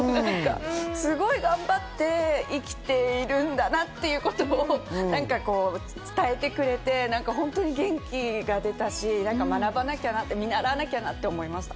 すごく頑張って生きてるんだなっていうことを伝えてくれて、何か本当に元気が出たし見習わなきゃなって思いました。